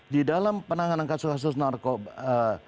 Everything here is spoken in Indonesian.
di dalam penanganan kasus kasus narkoba